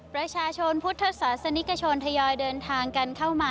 ประชาชนพุทธศาสนิกชนทยอยเดินทางกันเข้ามา